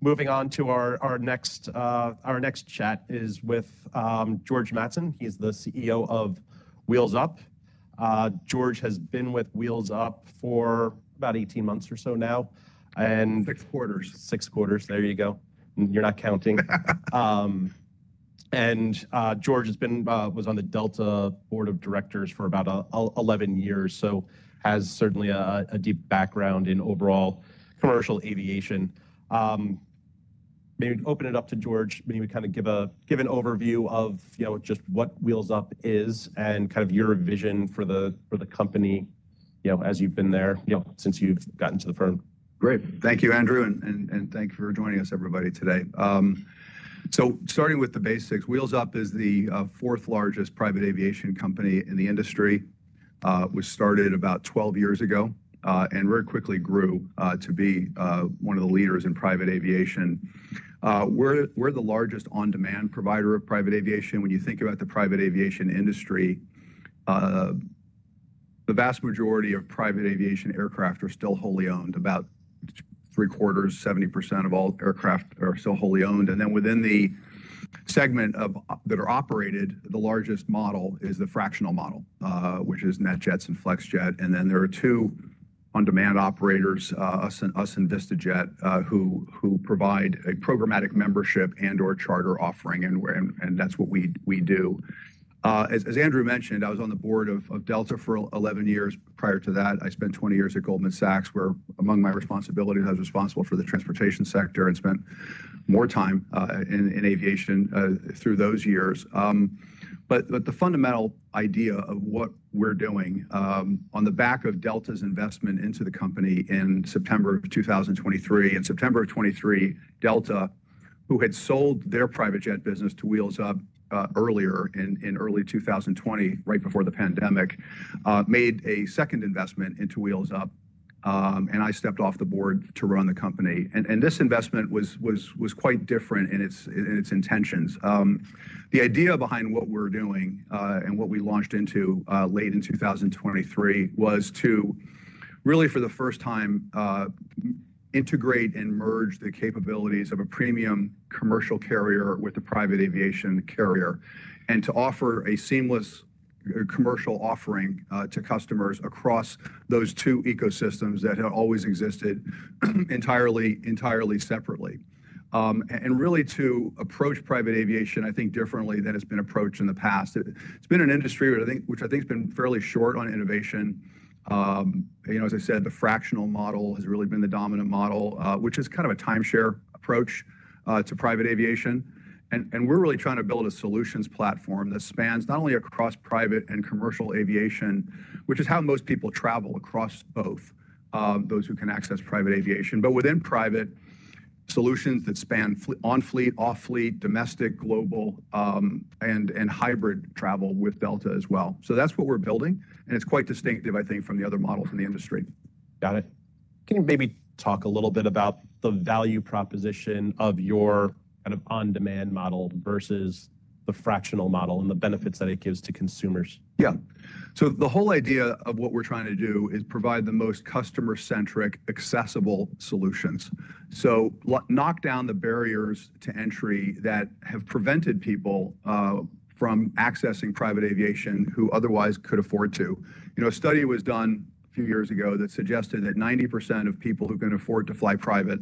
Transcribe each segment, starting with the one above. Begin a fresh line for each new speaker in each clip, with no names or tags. Moving on to our next chat is with George Mattson. He is the CEO of Wheels Up. George has been with Wheels Up for about 18 months or so now.
Six quarters. Six quarters. There you go. You're not counting. And George has been on the Delta board of directors for about 11 years, so has certainly a deep background in overall commercial aviation. Maybe open it up to George, maybe kind of give an overview of just what Wheels Up is and kind of your vision for the company as you've been there since you've gotten to the firm. Great. Thank you, Andrew. Thank you for joining us, everybody, today. Starting with the basics, Wheels Up is the fourth largest private aviation company in the industry. We started about 12 years ago and very quickly grew to be one of the leaders in private aviation. We're the largest on-demand provider of private aviation. When you think about the private aviation industry, the vast majority of private aviation aircraft are still wholly owned. About three quarters, 70% of all aircraft are still wholly owned. Within the segment that are operated, the largest model is the fractional model, which is NetJets and Flexjet. There are two on-demand operators, us and VistaJet, who provide a programmatic membership and or charter offering, and that's what we do. As Andrew mentioned, I was on the board of Delta for 11 years. Prior to that, I spent 20 years at Goldman Sachs, where among my responsibilities, I was responsible for the transportation sector and spent more time in aviation through those years. The fundamental idea of what we're doing, on the back of Delta's investment into the company in September of 2023, in September of 2023, Delta, who had sold their private jet business to Wheels Up earlier in early 2020, right before the pandemic, made a second investment into Wheels Up. I stepped off the board to run the company. This investment was quite different in its intentions. The idea behind what we're doing and what we launched into late in 2023 was to really, for the first time, integrate and merge the capabilities of a premium commercial carrier with a private aviation carrier and to offer a seamless commercial offering to customers across those two ecosystems that have always existed entirely separately. Really to approach private aviation, I think, differently than it's been approached in the past. It's been an industry which I think has been fairly short on innovation. As I said, the fractional model has really been the dominant model, which is kind of a timeshare approach to private aviation. We're really trying to build a solutions platform that spans not only across private and commercial aviation, which is how most people travel across both, those who can access private aviation, but within private, solutions that span on-fleet, off-fleet, domestic, global, and hybrid travel with Delta as well. That's what we're building. It's quite distinctive, I think, from the other models in the industry. Got it. Can you maybe talk a little bit about the value proposition of your kind of on-demand model versus the fractional model and the benefits that it gives to consumers? Yeah. The whole idea of what we're trying to do is provide the most customer-centric, accessible solutions. Knock down the barriers to entry that have prevented people from accessing private aviation who otherwise could afford to. A study was done a few years ago that suggested that 90% of people who can afford to fly private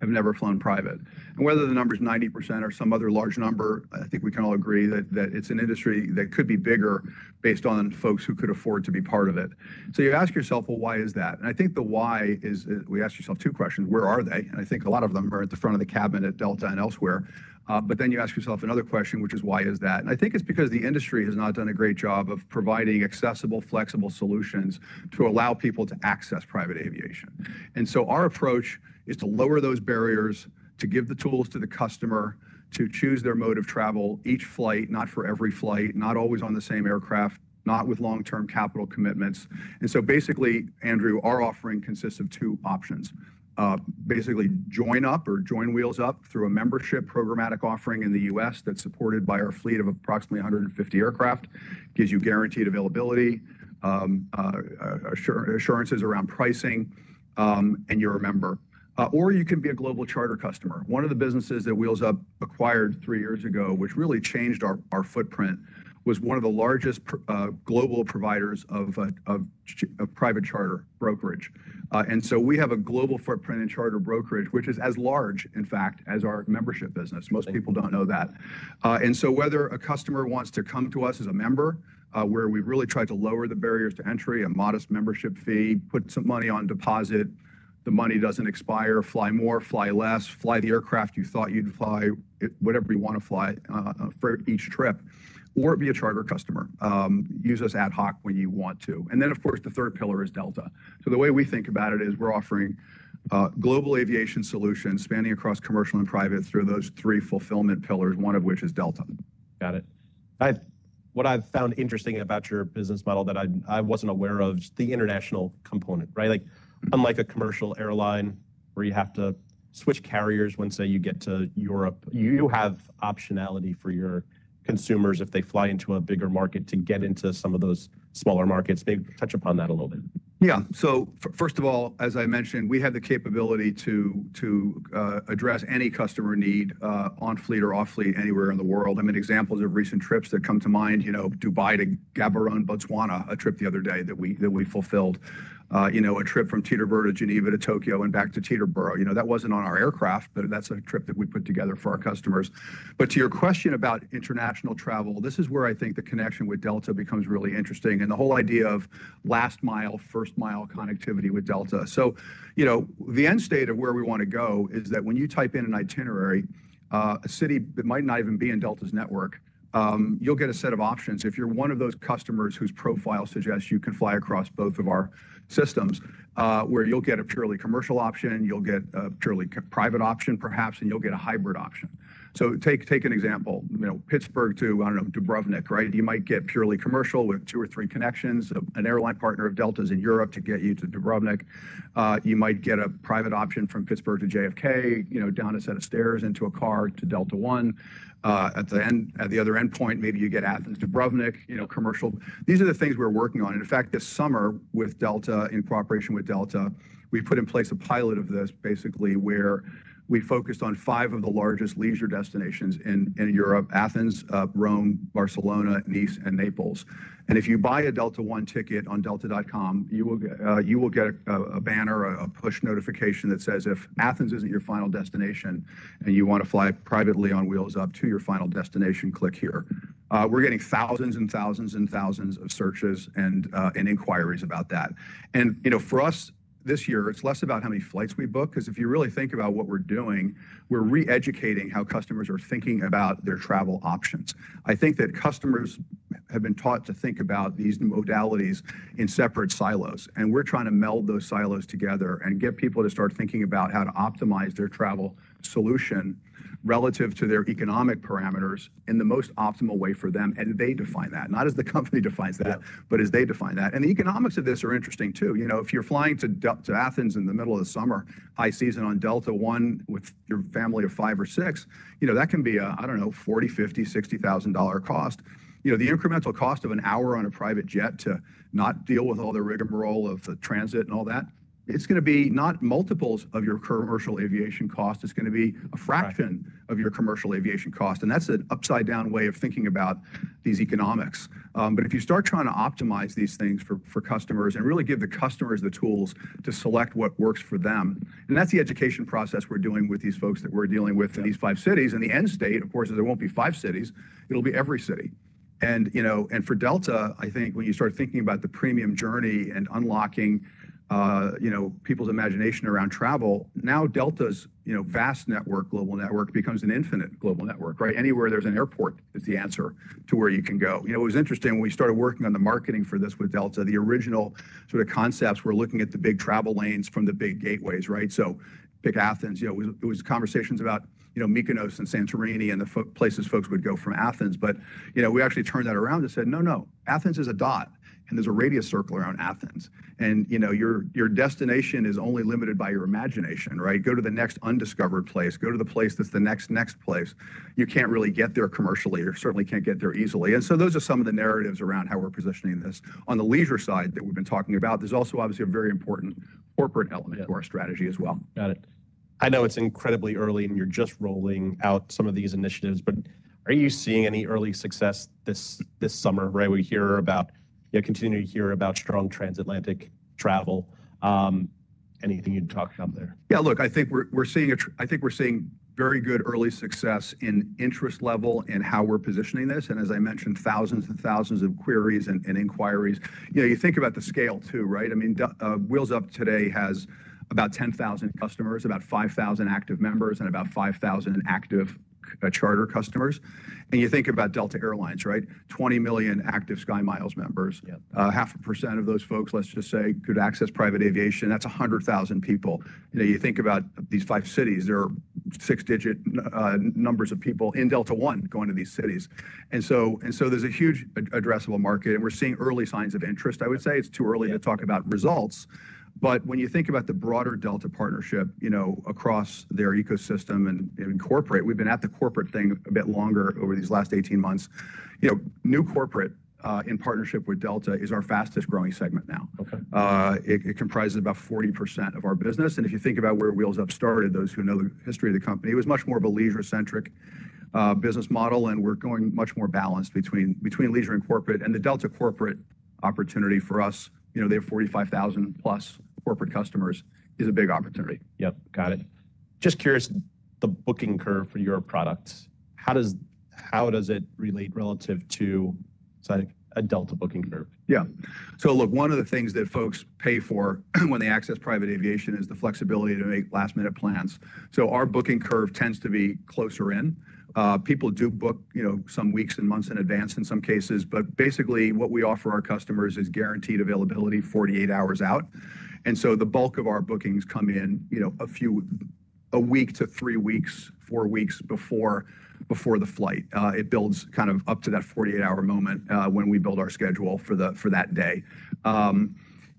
have never flown private. Whether the number is 90% or some other large number, I think we can all agree that it's an industry that could be bigger based on folks who could afford to be part of it. You ask yourself, why is that? I think the why is we ask yourself two questions. Where are they? I think a lot of them are at the front of the cabin at Delta and elsewhere. Then you ask yourself another question, which is, why is that? I think it's because the industry has not done a great job of providing accessible, flexible solutions to allow people to access private aviation. Our approach is to lower those barriers, to give the tools to the customer to choose their mode of travel each flight, not for every flight, not always on the same aircraft, not with long-term capital commitments. Basically, Andrew, our offering consists of two options. Basically, join up or join Wheels Up through a membership programmatic offering in the U.S. that's supported by our fleet of approximately 150 aircraft, gives you guaranteed availability, assurances around pricing and you're a member, or you can be a global charter customer. One of the businesses that Wheels Up acquired three years ago, which really changed our footprint, was one of the largest global providers of private charter brokerage. We have a global footprint in charter brokerage, which is as large, in fact, as our membership business. Most people do not know that. Whether a customer wants to come to us as a member, where we have really tried to lower the barriers to entry, a modest membership fee, put some money on deposit, the money does not expire, fly more, fly less, fly the aircraft you thought you would fly, whatever you want to fly for each trip, or be a charter customer. Use us ad hoc when you want to. Of course, the third pillar is Delta. The way we think about it is we are offering global aviation solutions spanning across commercial and private through those three fulfillment pillars, one of which is Delta. Got it. What I've found interesting about your business model that I wasn't aware of is the international component, right? Unlike a commercial airline where you have to switch carriers when, say, you get to Europe, you have optionality for your consumers if they fly into a bigger market to get into some of those smaller markets. Maybe touch upon that a little bit. Yeah. So first of all, as I mentioned, we have the capability to address any customer need on-fleet or off-fleet anywhere in the world. I mean, examples of recent trips that come to mind, Dubai to Gaborone, Botswana, a trip the other day that we fulfilled, a trip from Teterboro to Geneva to Tokyo and back to Teterboro. That was not on our aircraft, but that is a trip that we put together for our customers. To your question about international travel, this is where I think the connection with Delta becomes really interesting. The whole idea of last-mile, first-mile connectivity with Delta. The end state of where we want to go is that when you type in an itinerary, a city that might not even be in Delta's network, you will get a set of options. If you're one of those customers whose profile suggests you can fly across both of our systems, where you'll get a purely commercial option, you'll get a purely private option, perhaps, and you'll get a hybrid option. Take an example, Pittsburgh to, I don't know, Dubrovnik, right? You might get purely commercial with two or three connections. An airline partner of Delta's in Europe to get you to Dubrovnik. You might get a private option from Pittsburgh to JFK, down a set of stairs into a car to Delta One. At the other endpoint, maybe you get Athens to Dubrovnik, commercial. These are the things we're working on. In fact, this summer, with Delta, in cooperation with Delta, we put in place a pilot of this, basically, where we focused on five of the largest leisure destinations in Europe: Athens, Rome, Barcelona, Nice, and Naples. If you buy a Delta One ticket on delta.com, you will get a banner, a push notification that says, "If Athens isn't your final destination and you want to fly privately on Wheels Up to your final destination, click here." We're getting thousands and thousands and thousands of searches and inquiries about that. For us, this year, it's less about how many flights we book because if you really think about what we're doing, we're re-educating how customers are thinking about their travel options. I think that customers have been taught to think about these modalities in separate silos. We're trying to meld those silos together and get people to start thinking about how to optimize their travel solution relative to their economic parameters in the most optimal way for them. They define that, not as the company defines that, but as they define that. The economics of this are interesting, too. If you're flying to Athens in the middle of the summer, high season on Delta One with your family of five or six, that can be a, I don't know, $40,000, $50,000, $60,000 cost. The incremental cost of an hour on a private jet to not deal with all the rigmarole of the transit and all that, it's going to be not multiples of your commercial aviation cost. It's going to be a fraction of your commercial aviation cost. That's an upside-down way of thinking about these economics. If you start trying to optimize these things for customers and really give the customers the tools to select what works for them, that's the education process we're doing with these folks that we're dealing with in these five cities. The end state, of course, there won't be five cities. It'll be every city. For Delta, I think when you start thinking about the premium journey and unlocking people's imagination around travel, now Delta's vast network, global network, becomes an infinite global network, right? Anywhere there's an airport is the answer to where you can go. It was interesting when we started working on the marketing for this with Delta, the original sort of concepts were looking at the big travel lanes from the big gateways, right? Pick Athens. It was conversations about Mykonos and Santorini and the places folks would go from Athens. We actually turned that around and said, "No, no, Athens is a dot. There's a radius circle around Athens. Your destination is only limited by your imagination, right? Go to the next undiscovered place. Go to the place that's the next next place. You can't really get there commercially." You certainly can't get there easily. Those are some of the narratives around how we're positioning this. On the leisure side that we've been talking about, there's also obviously a very important corporate element to our strategy as well. Got it. I know it's incredibly early and you're just rolling out some of these initiatives, but are you seeing any early success this summer, right? We hear about, continue to hear about strong transatlantic travel. Anything you'd talk about there? Yeah. Look, I think we're seeing very good early success in interest level and how we're positioning this. As I mentioned, thousands and thousands of queries and inquiries. You think about the scale, too, right? I mean, Wheels Up today has about 10,000 customers, about 5,000 active members, and about 5,000 active charter customers. You think about Delta Air Lines, right? 20 million active SkyMiles members. Half a percent of those folks, let's just say, could access private aviation. That's 100,000 people. You think about these five cities, there are six-digit numbers of people in Delta One going to these cities. There is a huge addressable market. We're seeing early signs of interest. I would say it's too early to talk about results. When you think about the broader Delta partnership across their ecosystem and corporate, we've been at the corporate thing a bit longer over these last 18 months. New corporate in partnership with Delta is our fastest-growing segment now. It comprises about 40% of our business. If you think about where Wheels Up started, those who know the history of the company, it was much more of a leisure-centric business model. We're going much more balanced between leisure and corporate. The Delta corporate opportunity for us, they have 45,000+ corporate customers, is a big opportunity. Yep. Got it. Just curious, the booking curve for your products. How does it relate relative to a Delta booking curve? Yeah. So look, one of the things that folks pay for when they access private aviation is the flexibility to make last-minute plans. Our booking curve tends to be closer in. People do book some weeks and months in advance in some cases. Basically, what we offer our customers is guaranteed availability 48 hours out. The bulk of our bookings come in a week to three weeks, four weeks before the flight. It builds up to that 48-hour moment when we build our schedule for that day.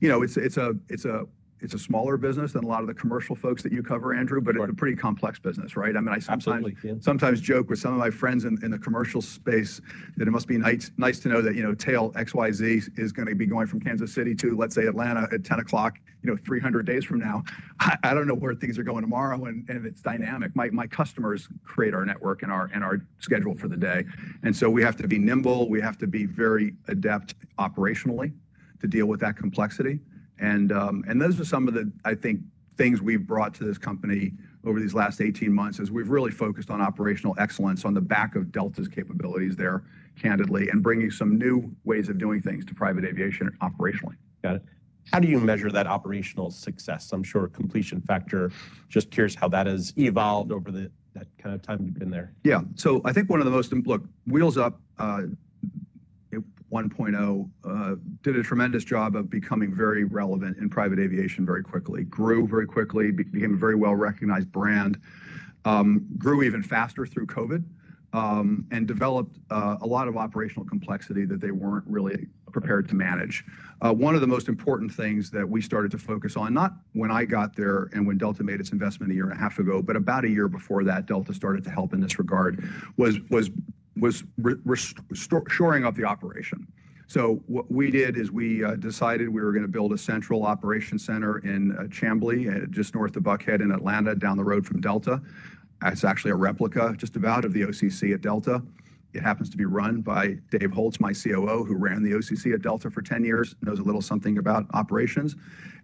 It is a smaller business than a lot of the commercial folks that you cover, Andrew, but it is a pretty complex business, right? I mean, I sometimes joke with some of my friends in the commercial space that it must be nice to know that tail XYZ is going to be going from Kansas City to, let's say, Atlanta at 10:00, 300 days from now. I don't know where things are going tomorrow, and it's dynamic. My customers create our network and our schedule for the day. We have to be nimble. We have to be very adept operationally to deal with that complexity. Those are some of the, I think, things we've brought to this company over these last 18 months as we've really focused on operational excellence on the back of Delta's capabilities there, candidly, and bringing some new ways of doing things to private aviation operationally. Got it. How do you measure that operational success? I'm sure completion factor, just curious how that has evolved over that kind of time you've been there. Yeah. I think one of the most, look, Wheels Up 1.0 did a tremendous job of becoming very relevant in private aviation very quickly, grew very quickly, became a very well-recognized brand, grew even faster through COVID, and developed a lot of operational complexity that they were not really prepared to manage. One of the most important things that we started to focus on, not when I got there and when Delta made its investment a year and a half ago, but about a year before that, Delta started to help in this regard, was shoring up the operation. What we did is we decided we were going to build a central operations center in Chamblee, just north of Buckhead in Atlanta, down the road from Delta. It is actually a replica just about of the OCC at Delta. It happens to be run by Dave Holtz, my COO, who ran the OCC at Delta for 10 years, knows a little something about operations.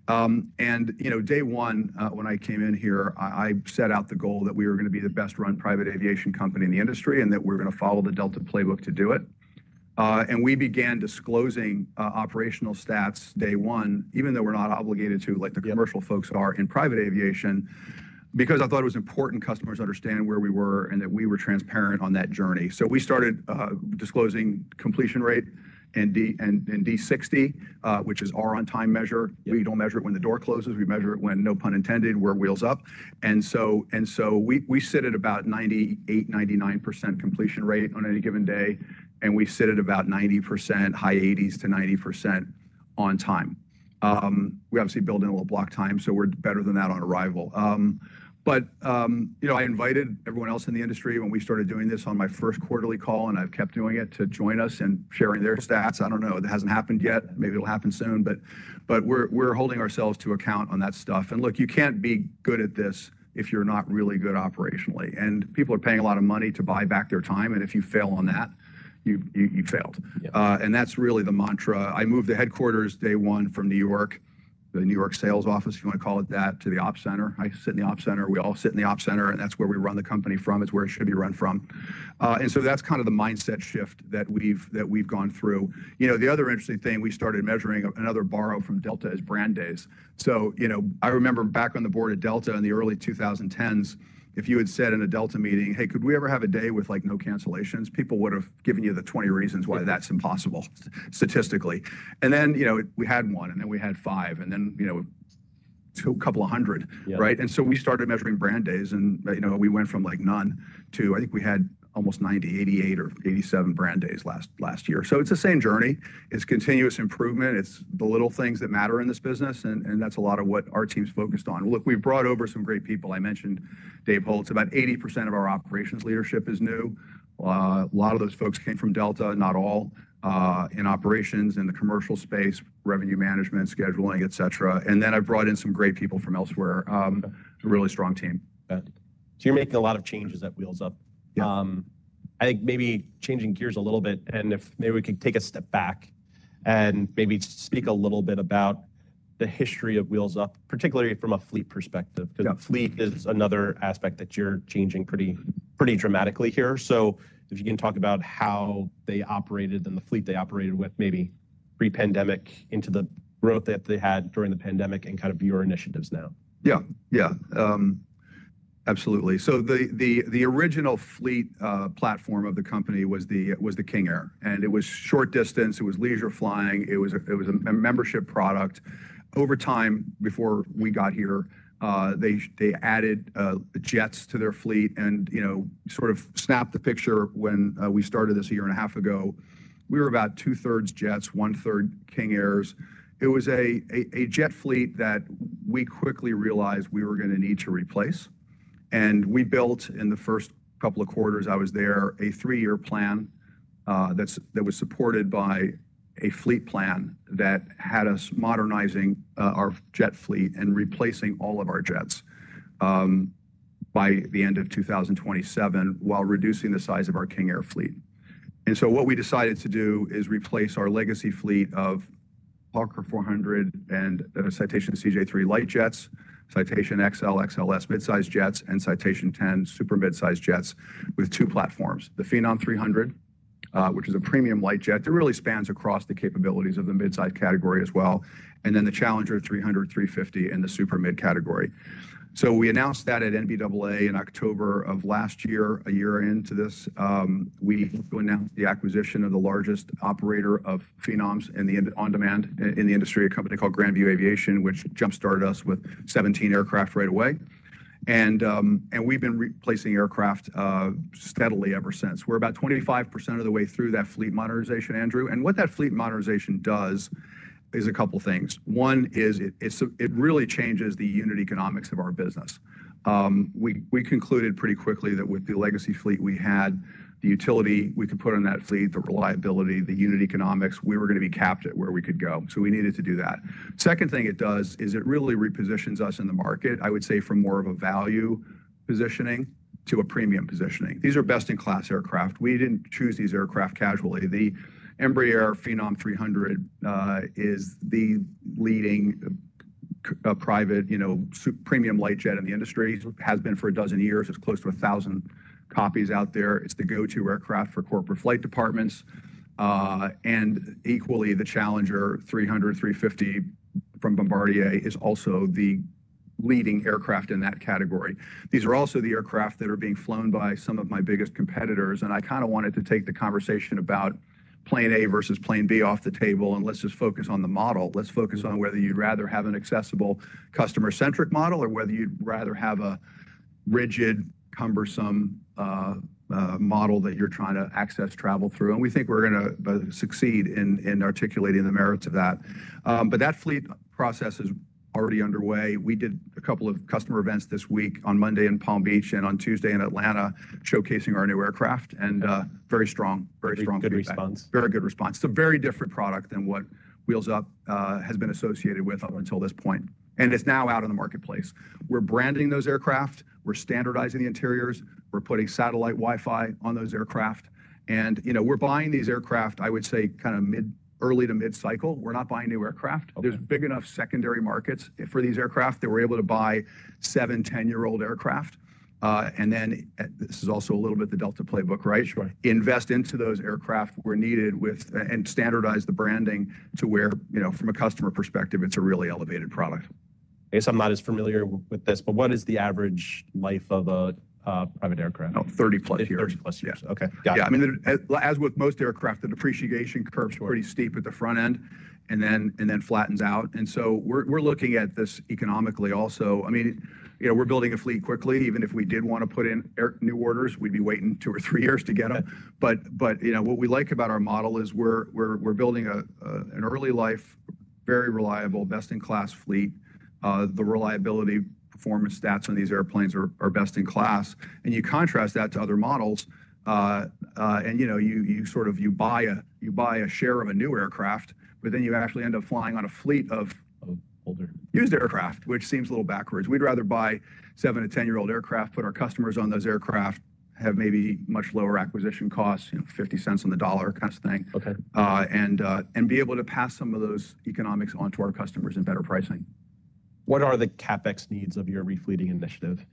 Day one, when I came in here, I set out the goal that we were going to be the best-run private aviation company in the industry and that we were going to follow the Delta playbook to do it. We began disclosing operational stats day one, even though we're not obligated to, like the commercial folks are in private aviation, because I thought it was important customers understand where we were and that we were transparent on that journey. We started disclosing completion rate and D60, which is our on-time measure. We don't measure it when the door closes. We measure it when, no pun intended, we're Wheels Up. We sit at about 98%, 99% completion rate on any given day. We sit at about 90%, high 80s to 90% on time. We obviously build in a little block time, so we're better than that on arrival. I invited everyone else in the industry when we started doing this on my first quarterly call, and I've kept doing it, to join us in sharing their stats. I don't know. It hasn't happened yet. Maybe it'll happen soon. We're holding ourselves to account on that stuff. You can't be good at this if you're not really good operationally. People are paying a lot of money to buy back their time. If you fail on that, you failed. That's really the mantra. I moved the headquarters day one from New York, the New York sales office, if you want to call it that, to the ops center. I sit in the ops center. We all sit in the ops center. It's where we run the company from. It's where it should be run from. That's kind of the mindset shift that we've gone through. The other interesting thing, we started measuring another borrow from Delta is brand days. I remember back on the board at Delta in the early 2010s, if you had said in a Delta meeting, "Hey, could we ever have a day with no cancellations?" People would have given you the 20 reasons why that's impossible statistically. We had one, and then we had five, and then a couple of hundred, right? We started measuring brand days. We went from like none to, I think we had almost 90, 88 or 87 brand days last year. It is the same journey. It is continuous improvement. It is the little things that matter in this business. That is a lot of what our team's focused on. Look, we have brought over some great people. I mentioned Dave Holtz. About 80% of our operations leadership is new. A lot of those folks came from Delta, not all, in operations and the commercial space, revenue management, scheduling, etc. I have brought in some great people from elsewhere. It is a really strong team. Got it. So you're making a lot of changes at Wheels Up. I think maybe changing gears a little bit and if maybe we could take a step back and maybe speak a little bit about the history of Wheels Up, particularly from a fleet perspective, because fleet is another aspect that you're changing pretty dramatically here. If you can talk about how they operated and the fleet they operated with, maybe pre-pandemic into the growth that they had during the pandemic and kind of your initiatives now. Yeah, yeah. Absolutely. The original fleet platform of the company was the King Air. It was short distance. It was leisure flying. It was a membership product. Over time, before we got here, they added jets to their fleet and sort of snapped the picture when we started this a year and a half ago. We were about two-thirds jets, one-third King Airs. It was a jet fleet that we quickly realized we were going to need to replace. We built in the first couple of quarters I was there a three-year plan that was supported by a fleet plan that had us modernizing our jet fleet and replacing all of our jets by the end of 2027 while reducing the size of our King Air fleet. What we decided to do is replace our legacy fleet of Hawker 400 and Citation CJ3 light jets, Citation Excel, XLS midsize jets, and Citation X super midsize jets with two platforms, the Phenom 300, which is a premium light jet, it really spans across the capabilities of the midsize category as well and then the Challenger 300, 350 in the super mid category. We announced that at NBAA in October of last year, a year into this. We announced the acquisition of the largest operator of Phenoms on demand in the industry, a company called GrandView Aviation, which jump-started us with 17 aircraft right away. We have been replacing aircraft steadily ever since. We are about 25% of the way through that fleet modernization, Andrew. What that fleet modernization does is a couple of things. One is it really changes the unit economics of our business. We concluded pretty quickly that with the legacy fleet we had, the utility we could put on that fleet, the reliability, the unit economics, we were going to be capped at where we could go. We needed to do that. The second thing it does is it really repositions us in the market, I would say, from more of a value positioning to a premium positioning. These are best-in-class aircraft. We did not choose these aircraft casually. The Embraer Phenom 300 is the leading private premium light jet in the industry. It has been for a dozen years. It is close to 1,000 copies out there. It is the go-to aircraft for corporate flight departments. Equally, the Challenger 300, 350 from Bombardier is also the leading aircraft in that category. These are also the aircraft that are being flown by some of my biggest competitors. I kind of wanted to take the conversation about plane A versus plane B off the table and let's just focus on the model. Let's focus on whether you'd rather have an accessible customer-centric model or whether you'd rather have a rigid, cumbersome model that you're trying to access travel through. We think we're going to succeed in articulating the merits of that. That fleet process is already underway. We did a couple of customer events this week on Monday in Palm Beach and on Tuesday in Atlanta showcasing our new aircraft. Very strong, very strong feedback. Good response. Very good response. It's a very different product than what Wheels Up has been associated with up until this point. It's now out in the marketplace. We're branding those aircraft. We're standardizing the interiors. We're putting satellite Wi-Fi on those aircraft. We're buying these aircraft, I would say, kind of early to mid-cycle. We're not buying new aircraft. There's big enough secondary markets for these aircraft that we're able to buy seven to 10-year-old aircraft. This is also a little bit the Delta playbook, right? Invest into those aircraft where needed and standardize the branding to where, from a customer perspective, it's a really elevated product. I guess I'm not as familiar with this, but what is the average life of a private aircraft? Oh, 30+ years. 30+ years. Okay. Got it. I mean, as with most aircraft, the depreciation curve's pretty steep at the front end and then flattens out. I mean, we're looking at this economically also. I mean, we're building a fleet quickly. Even if we did want to put in new orders, we'd be waiting two or three years to get them. What we like about our model is we're building an early-life, very reliable, best-in-class fleet. The reliability performance stats on these airplanes are best in class. You contrast that to other models. You sort of buy a share of a new aircraft, but then you actually end up flying on a fleet of used aircraft, which seems a little backwards. We'd rather buy seven to 10-year-old aircraft, put our customers on those aircraft, have maybe much lower acquisition costs, $0.50 on the dollar kind of thing, and be able to pass some of those economics on to our customers in better pricing. What are the CapEx needs of your refleeting initiative?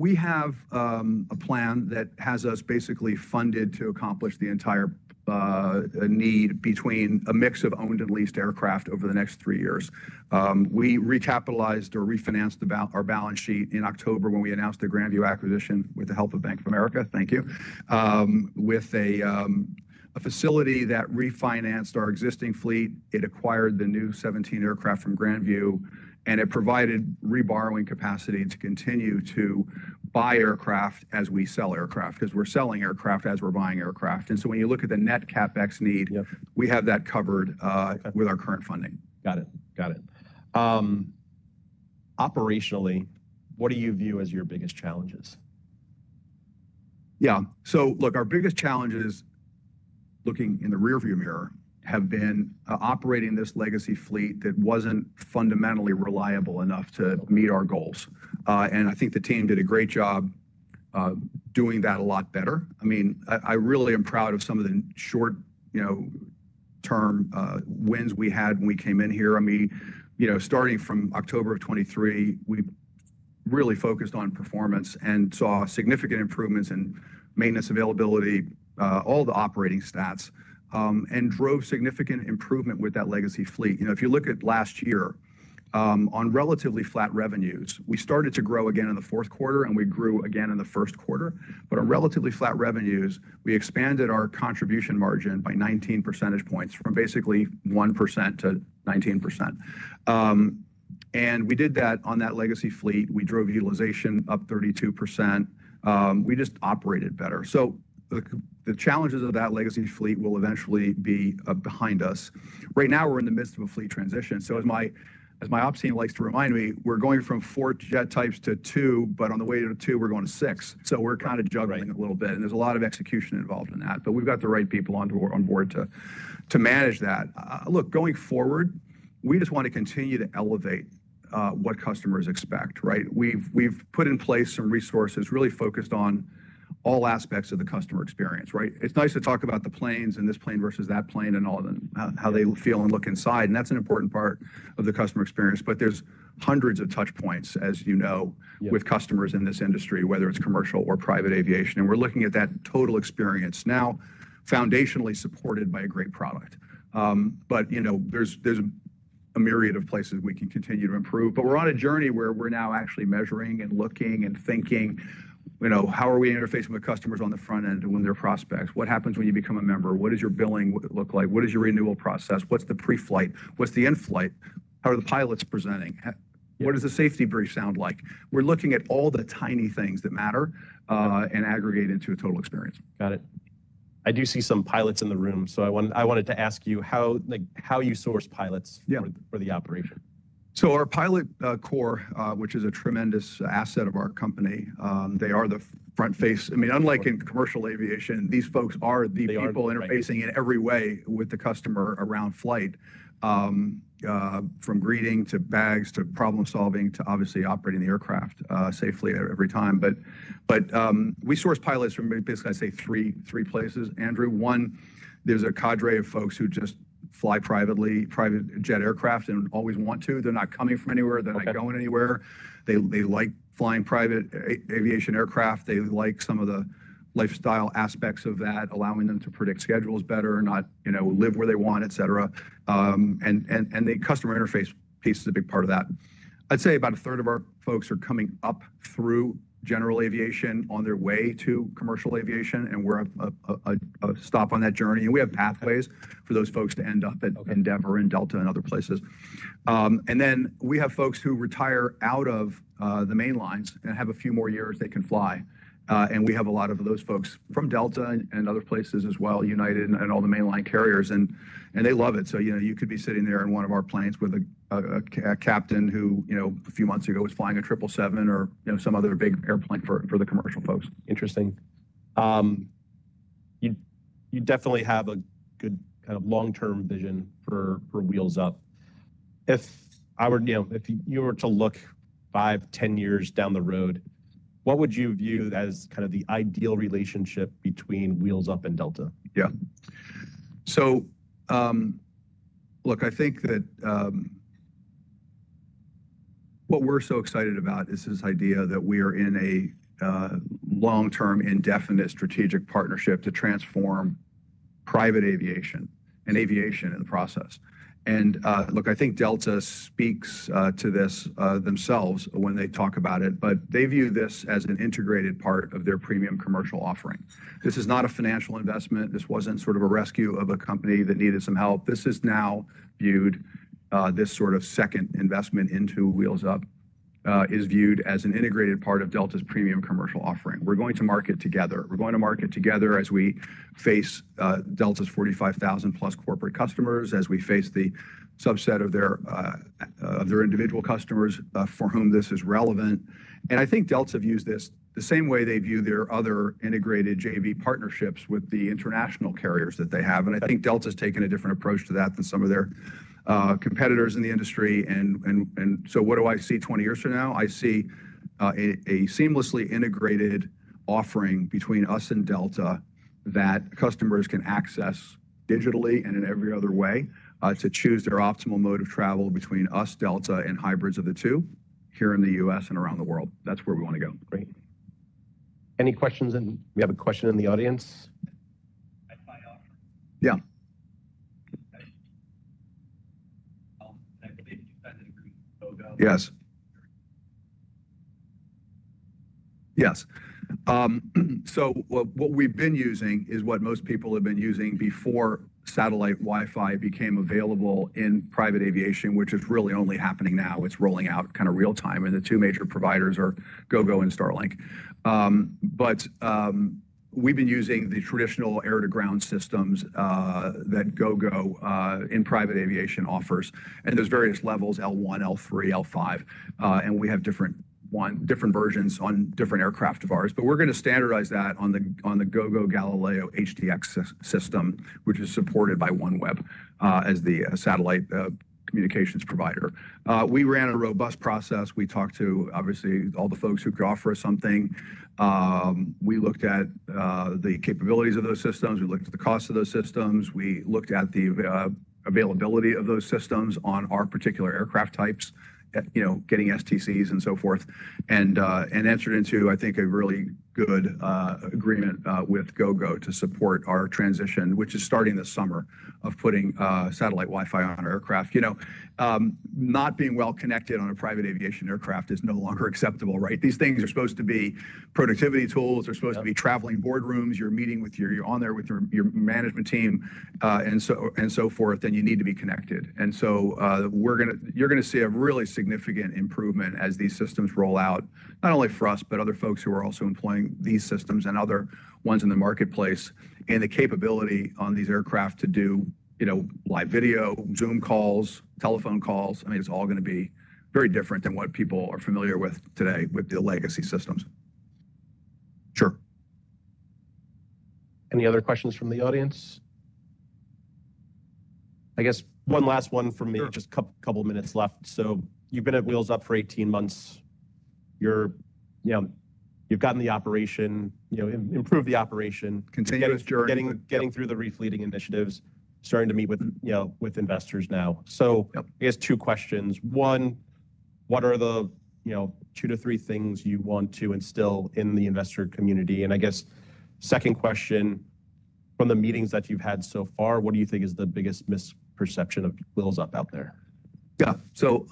We have a plan that has us basically funded to accomplish the entire need between a mix of owned and leased aircraft over the next three years. We recapitalized or refinanced our balance sheet in October when we announced the GrandView acquisition with the help of Bank of America. Thank you. With a facility that refinanced our existing fleet, it acquired the new 17 aircraft from GrandView, and it provided reborrowing capacity to continue to buy aircraft as we sell aircraft because we're selling aircraft as we're buying aircraft. When you look at the net CapEx need, we have that covered with our current funding. Got it. Got it. Operationally, what do you view as your biggest challenges? Yeah. So look, our biggest challenges, looking in the rearview mirror, have been operating this legacy fleet that was not fundamentally reliable enough to meet our goals. I think the team did a great job doing that a lot better. I mean, I really am proud of some of the short-term wins we had when we came in here. I mean, starting from October of 2023, we really focused on performance and saw significant improvements in maintenance availability, all the operating stats, and drove significant improvement with that legacy fleet. If you look at last year, on relatively flat revenues, we started to grow again in the fourth quarter, and we grew again in the first quarter. On relatively flat revenues, we expanded our contribution margin by 19 percentage points from basically 1% to 19%. We did that on that legacy fleet. We drove utilization up 32%. We just operated better. The challenges of that legacy fleet will eventually be behind us. Right now, we're in the midst of a fleet transition. As my ops team likes to remind me, we're going from four jet types to two, but on the way to two, we're going to six. We're kind of juggling a little bit. There's a lot of execution involved in that. We've got the right people on board to manage that. Look, going forward, we just want to continue to elevate what customers expect, right? We've put in place some resources really focused on all aspects of the customer experience, right? It's nice to talk about the planes and this plane versus that plane and how they feel and look inside. That's an important part of the customer experience. There are hundreds of touch points, as you know, with customers in this industry, whether it's commercial or private aviation. We're looking at that total experience now, foundationally supported by a great product. There's a myriad of places we can continue to improve. We're on a journey where we're now actually measuring and looking and thinking, how are we interfacing with customers on the front end and with their prospects? What happens when you become a member? What does your billing look like? What is your renewal process? What's the preflight? What's the inflight? How are the pilots presenting? What does the safety brief sound like? We're looking at all the tiny things that matter and aggregate into a total experience. Got it. I do see some pilots in the room. So I wanted to ask you how you source pilots for the operation. Our pilot core, which is a tremendous asset of our company, they are the front face. I mean, unlike in commercial aviation, these folks are the people interfacing in every way with the customer around flight, from greeting to bags to problem-solving to obviously operating the aircraft safely every time. We source pilots from, basically, I'd say three places, Andrew. One, there's a cadre of folks who just fly privately, private jet aircraft, and always want to. They're not coming from anywhere. They're not going anywhere. They like flying private aviation aircraft. They like some of the lifestyle aspects of that, allowing them to predict schedules better, not live where they want, etc. The customer interface piece is a big part of that. I'd say about a third of our folks are coming up through general aviation on their way to commercial aviation. We're a stop on that journey. We have pathways for those folks to end up at Endeavor and Delta and other places. We have folks who retire out of the mainlines and have a few more years they can fly. We have a lot of those folks from Delta and other places as well, United and all the mainline carriers. They love it. You could be sitting there in one of our planes with a captain who a few months ago was flying a 777 or some other big airplane for the commercial folks. Interesting. You definitely have a good kind of long-term vision for Wheels Up. If you were to look five, 10 years down the road, what would you view as kind of the ideal relationship between Wheels Up and Delta? Yeah. Look, I think that what we're so excited about is this idea that we are in a long-term, indefinite strategic partnership to transform private aviation and aviation in the process. I think Delta speaks to this themselves when they talk about it, but they view this as an integrated part of their premium commercial offering. This is not a financial investment. This was not sort of a rescue of a company that needed some help. This is now viewed, this sort of second investment into Wheels Up is viewed as an integrated part of Delta's premium commercial offering. We're going to market together. We're going to market together as we face Delta's 45,000+ corporate customers, as we face the subset of their individual customers for whom this is relevant. I think Delta views this the same way they view their other integrated JV partnerships with the international carriers that they have. I think Delta has taken a different approach to that than some of their competitors in the industry. What do I see 20 years from now? I see a seamlessly integrated offering between us and Delta that customers can access digitally and in every other way to choose their optimal mode of travel between us, Delta, and hybrids of the two here in the U.S. and around the world. That's where we want to go. Great. Any questions? We have a question in the audience. Yeah. Yes. Yes. What we have been using is what most people have been using before satellite Wi-Fi became available in private aviation, which is really only happening now. It is rolling out kind of real-time. The two major providers are Gogo and Starlink. We have been using the traditional air-to-ground systems that Gogo in private aviation offers. There are various levels, L1, L3, L5. We have different versions on different aircraft of ours. We are going to standardize that on the Gogo Galileo HDX system, which is supported by OneWeb as the satellite communications provider. We ran a robust process. We talked to, obviously, all the folks who could offer us something. We looked at the capabilities of those systems. We looked at the cost of those systems. We looked at the availability of those systems on our particular aircraft types, getting STCs and so forth, and entered into, I think, a really good agreement with Gogo to support our transition, which is starting this summer of putting satellite Wi-Fi on our aircraft. Not being well connected on a private aviation aircraft is no longer acceptable, right? These things are supposed to be productivity tools. They're supposed to be traveling boardrooms. You're meeting with your—you’re on there with your management team and so forth, and you need to be connected. You’re going to see a really significant improvement as these systems roll out, not only for us, but other folks who are also employing these systems and other ones in the marketplace and the capability on these aircraft to do live video, Zoom calls, telephone calls. I mean, it's all going to be very different than what people are familiar with today with the legacy systems. Sure. Any other questions from the audience? I guess one last one from me. Just a couple of minutes left. You have been at Wheels Up for 18 months. You have gotten the operation, improved the operation. Continuous journey. Getting through the refleeting initiatives, starting to meet with investors now. I guess two questions. One, what are the two to three things you want to instill in the investor community? I guess second question, from the meetings that you've had so far, what do you think is the biggest misperception of Wheels Up out there? Yeah.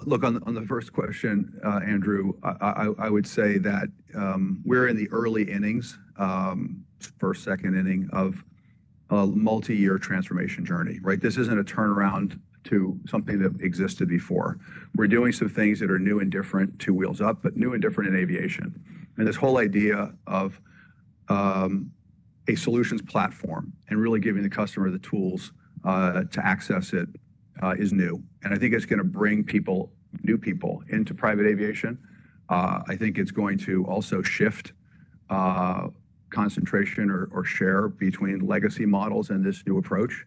Look, on the first question, Andrew, I would say that we're in the early innings, first, second inning of a multi-year transformation journey, right? This isn't a turnaround to something that existed before. We're doing some things that are new and different to Wheels Up, but new and different in aviation. This whole idea of a solutions platform and really giving the customer the tools to access it is new. I think it's going to bring new people into private aviation. I think it's going to also shift concentration or share between legacy models and this new approach.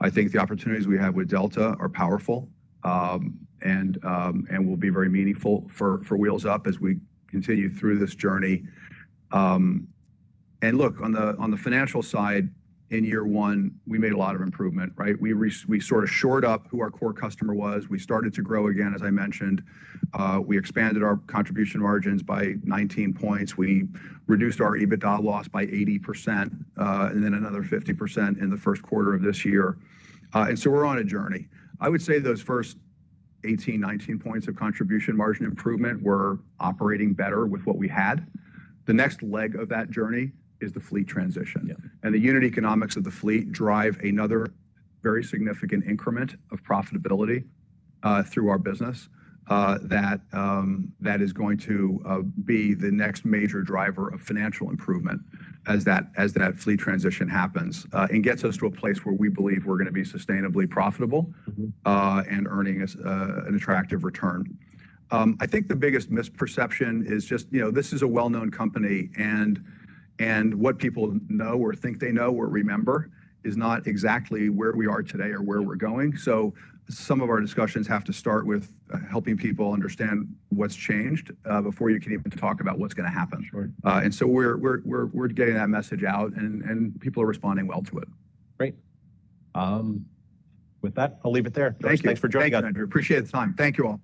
I think the opportunities we have with Delta are powerful and will be very meaningful for Wheels Up as we continue through this journey. Look, on the financial side, in year one, we made a lot of improvement, right? We sort of shored up who our core customer was. We started to grow again, as I mentioned. We expanded our contribution margins by 19 points. We reduced our EBITDA loss by 80% and then another 50% in the first quarter of this year. We are on a journey. I would say those first 18, 19 points of contribution margin improvement were operating better with what we had. The next leg of that journey is the fleet transition. The unit economics of the fleet drive another very significant increment of profitability through our business that is going to be the next major driver of financial improvement as that fleet transition happens and gets us to a place where we believe we are going to be sustainably profitable and earning an attractive return. I think the biggest misperception is just this is a well-known company, and what people know or think they know or remember is not exactly where we are today or where we're going. Some of our discussions have to start with helping people understand what's changed before you can even talk about what's going to happen. We're getting that message out, and people are responding well to it. Great. With that, I'll leave it there. Thank you. Thanks for joining us, Andrew. Appreciate the time. Thank you all.